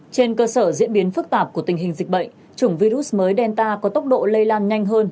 trên cơ sở diễn biến phức tạp của tình hình dịch bệnh chủng virus mới delta có tốc độ lây lan nhanh hơn